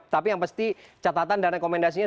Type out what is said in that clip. tapi yang pasti catatan dan rekomendasinya